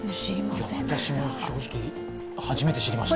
私も正直、初めて知りました。